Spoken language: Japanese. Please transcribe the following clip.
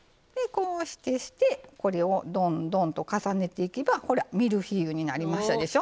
これを、どんどんと重ねていけばミルフィーユになりましたでしょ。